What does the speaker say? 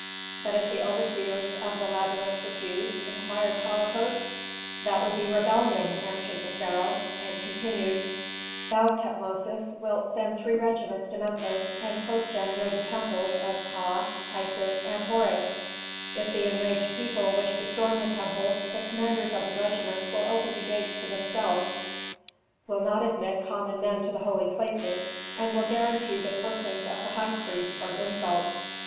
"But if the overseers of the labyrinth refuse?" inquired Kalippos. "That would be rebellion," answered the pharaoh, and continued, "Thou, Tutmosis, wilt send three regiments to Memphis and post them near the temples of Ptah, Isis, and Horus. If the enraged people wish to storm the temples the commanders of the regiments will open the gates to themselves, will not admit common men to the holy places, and will guarantee the persons of the high priests from insult.